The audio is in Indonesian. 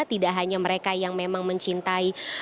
tidak hanya mereka yang memang mencintai